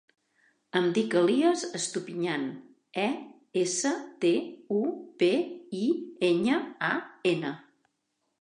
Em dic Elías Estupiñan: e, essa, te, u, pe, i, enya, a, ena.